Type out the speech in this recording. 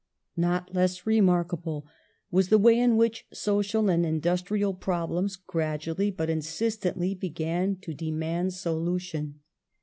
Not less remarkable was the way in which social and industrial problems gradually but insistently began to demand solution.